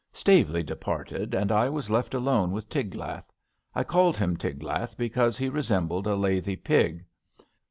*' Staveley departed, and I was left alone with Tiglath. I called him Tiglath because he re sembled a lathy pig.